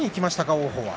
王鵬は。